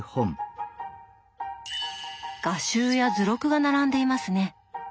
画集や図録が並んでいますね。